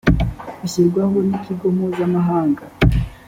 bishyirwaho n ikigo mpuzamahanga